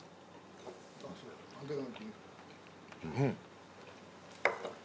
うん。